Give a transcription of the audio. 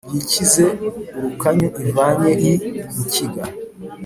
Yikize urukanyu ivanyei rukiga!"